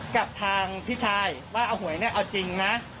กับทางพี่ชายว่าเอาหวยเนี่ยเอาจริงนะ